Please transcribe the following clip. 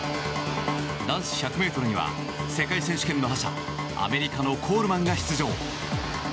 男子１００ｍには世界選手権の覇者アメリカのコールマンが出場。